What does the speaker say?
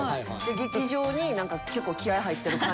劇場になんか結構気合入ってる感じで。